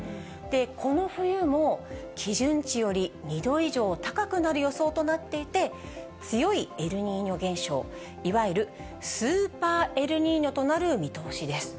この冬も基準値より２度以上高くなる予想となっていて、強いエルニーニョ現象、いわゆるスーパーエルニーニョとなる見通しです。